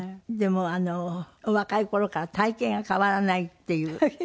でもお若い頃から体形が変わらないっていう。